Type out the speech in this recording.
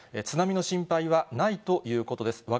津波の心配はないということです。